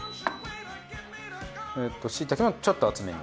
えっとしいたけもちょっと厚めに。